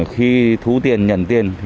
khi thu tiền nhận tiền